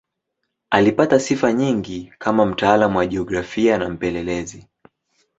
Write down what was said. Alipata sifa nyingi kama mtaalamu wa jiografia na mpelelezi.